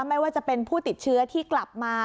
ไม่ว่าจะเป็นผู้ติดเชื้อที่กลับมา